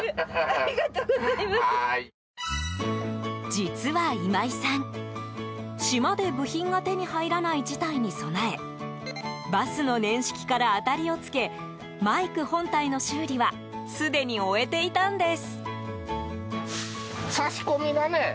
実は今井さん、島で部品が手に入らない事態に備えバスの年式から当たりをつけマイク本体の修理はすでに終えていたんです。